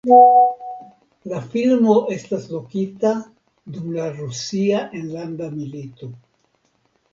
La filmo estas lokita dum la Rusia enlanda milito.